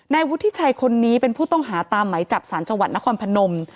วุฒิชัยคนนี้เป็นผู้ต้องหาตามไหมจับสารจังหวัดนครพนม